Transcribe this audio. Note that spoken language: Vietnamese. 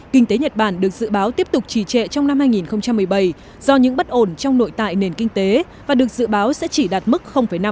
kinh tế nhật bản được dự báo tiếp tục trì trệ trong năm hai nghìn một mươi bảy do những bất ổn trong nội tại nền kinh tế và được dự báo sẽ chỉ đạt mức năm